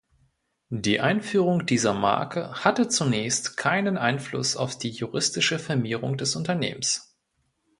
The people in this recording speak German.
Die Einführung dieser Marke hatte zunächst keinen Einfluss auf die juristische Firmierung des Unternehmens.